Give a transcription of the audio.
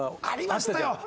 ありましたよ！